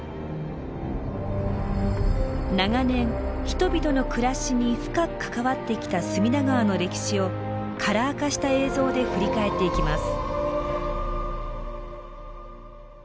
長年人々の暮らしに深く関わってきた隅田川の歴史をカラー化した映像で振り返っていきます。